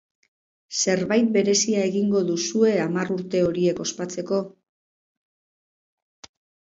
Zerbait berezia egingo duzue hamar urte horiek ospatzeko?